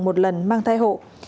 một lần mang thai hộ